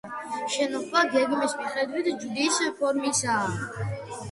შენობა გეგმის მიხედვით ჯვრის ფორმისაა.